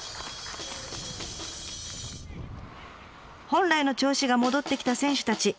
本来の調子が戻ってきた選手たち。